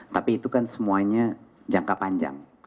tapi itu kan semuanya jangka panjang